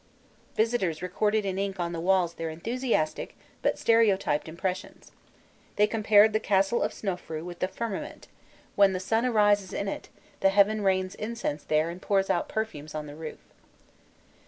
Visitors recorded in ink on the walls their enthusiastic, but stereotyped impressions: they compared the "Castle of Snofrûi" with the firmament, "when the sun arises in it; the heaven rains incense there and pours out perfumes on the roof."